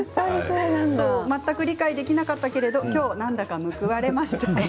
全く理解できなかったけれども今日なんだか報われました。